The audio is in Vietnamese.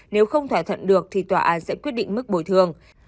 nếu không thỏa thuận được thì tòa án sẽ quyết định mức bồi thường